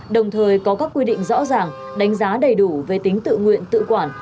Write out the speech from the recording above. đồng thời có các quy định rõ ràng đánh giá đầy đủ về tính tự nguyện tự quản